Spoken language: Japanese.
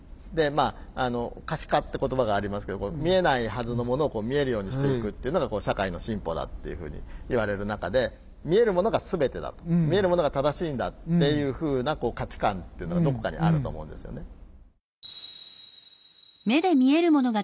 でまあ可視化って言葉がありますけど見えないはずのものを見えるようにしていくっていうのが社会の進歩だっていうふうにいわれる中で見えるものが全てだと見えるものが正しいんだっていうふうな価値観っていうのがどこかにあると思うんですよね。